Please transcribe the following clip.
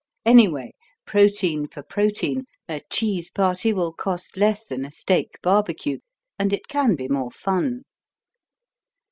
Anyway, protein for protein, a cheese party will cost less than a steak barbecue. And it can be more fun.